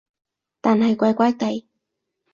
但係怪怪地